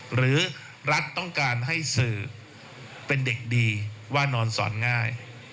หรือรัฐต้องการให้สื่อเป็นเด็กดีว่านอนสอนง่าย